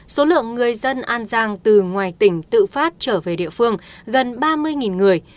số lượng người dân an giang từ ngoài tỉnh tự phát trở về địa phương gần ba mươi người